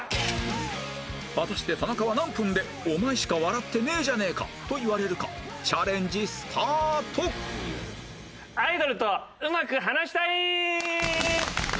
果たして田中は何分で「お前しか笑ってねえじゃねえか！」と言われるかチャレンジスタート！アイドルと上手く話したい！